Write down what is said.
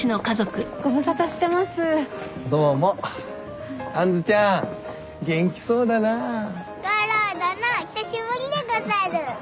久しぶりでござる。